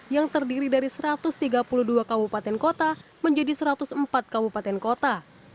yang terdiri dari satu ratus tiga puluh dua kabupaten kota menjadi satu ratus empat kabupaten kota